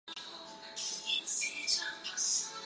角色设计与美术设定是各个作品分别进行的。